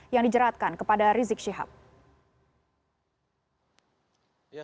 yang dijeratkan kepada rizik syihab